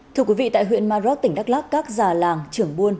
thưa quý vị tại huyện maroc tỉnh đắk lắc các già làng trưởng buôn